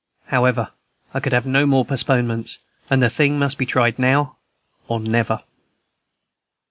However, I could have no more postponements, and the thing must be tried now or never.